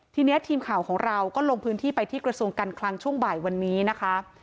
ทีนี้ทีมข่าวของเราก็ลงพื้นที่ไปที่กระทรวงการคลังช่วงบ่ายวันนี้นะคะ